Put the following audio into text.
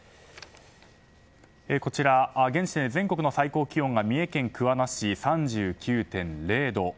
現時点で全国の最高気温が三重県桑名市で３９．０度。